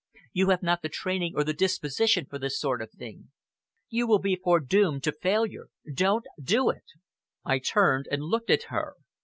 You have not the training or the disposition for this sort of thing. You would be foredoomed to failure. Don't do it!" I turned and looked at her.